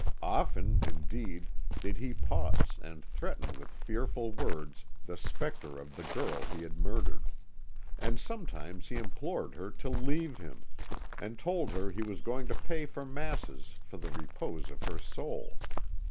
Often, indeed, did he pause and threaten with fearful words the spectre of the girl he had murdered; and sometimes he implored her to leave him, and told her he was going to pay for masses for the repose of her soul.